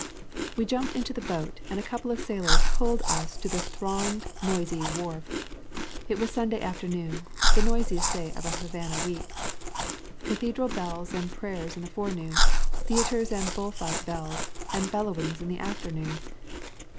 We jumped into the boat and a couple of sailors pulled us to the thronged, noisy wharf. It was Sunday afternoon,' the noisiest day of a Havana week. Cathedral bells and prayers in the forenoon, theaters and bull fight bells and bellowings in the afternoon!